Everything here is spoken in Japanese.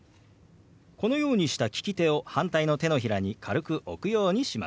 このようにした利き手を反対の手のひらに軽く置くようにします。